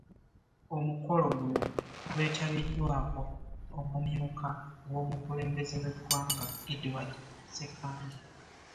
Omukolo guno gwetabiddwako omumyuka w'omukulembeze w'eggwanga Edward SSekandi